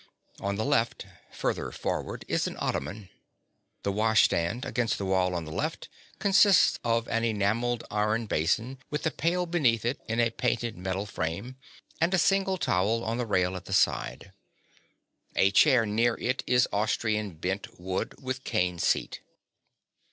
On the left, further forward, is an ottoman. The washstand, against the wall on the left, consists of an enamelled iron basin with a pail beneath it in a painted metal frame, and a single towel on the rail at the side. A chair near it is Austrian bent wood, with cane seat.